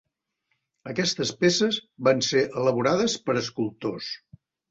Aquestes peces van ser elaborades per escultors.